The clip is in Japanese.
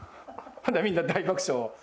みんな、大爆笑。